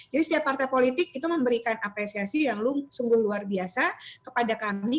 jadi setiap partai politik itu memberikan apresiasi yang sungguh luar biasa kepada kami